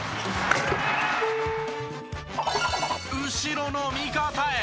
後ろの味方へ